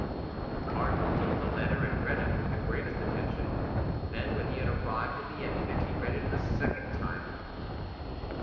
The cardinal took the letter, and read it with the greatest attention; then, when he had arrived at the end of it, he read it a second time.